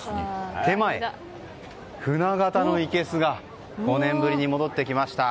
手前、舟形のいけすが５年ぶりに戻ってきました。